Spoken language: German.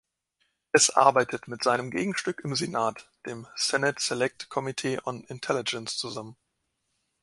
Es arbeitet mit seinem Gegenstück im Senat, dem "Senate Select Committee on Intelligence", zusammen.